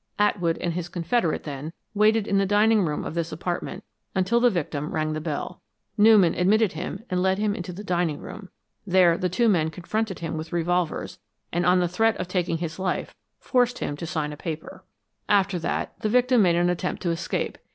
Atwood, and his confederate, then waited in the dining room of this apartment until the victim rang the bell. Newman admitted him and led him into the dining room. There the two men confronted him with revolvers and on the threat of taking his life, forced him to sign a paper." "After that, the victim made an attempt to escape.